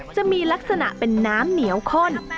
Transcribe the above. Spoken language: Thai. จะมีลักษณะเป็นน้ำเหนียวข้น